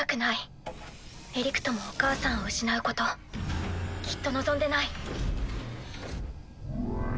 ウィーンエリクトもお母さんを失うこときっと望んでない。